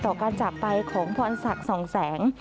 ต่อการจับไปของพรศักดิ์ส่องแสง